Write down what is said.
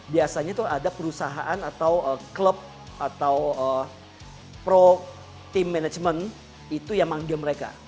biasanya tuh ada perusahaan atau klub atau pro team management itu yang manggil mereka